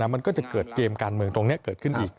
มันก็จะเกิดเกมการเมืองตรงนี้เกิดขึ้นอีก